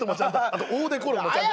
あとオーデコロンもちゃんと。